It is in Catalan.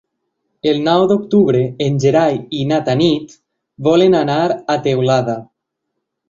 El nou d'octubre en Gerai i na Tanit volen anar a Teulada.